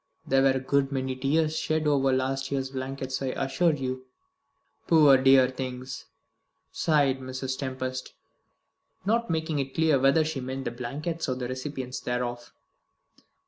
There were a good many tears shed over last year's blankets, I assure you." "Poor dear things!" sighed Mrs. Tempest, not making it too clear whether she meant the blankets, or the recipients thereof.